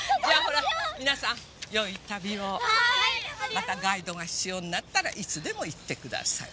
またガイドが必要になったらいつでも言ってください。